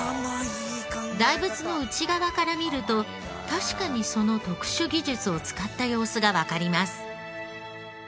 大仏の内側から見ると確かにその特殊技術を使った様子がわかります。